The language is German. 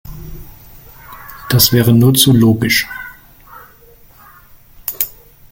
Das wäre nur zu logisch.